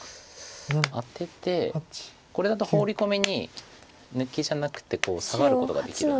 アテてこれだとホウリ込みに抜きじゃなくてサガることができる。